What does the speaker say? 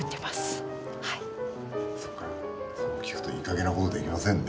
そっかそう聞くといいかげんなことできませんね。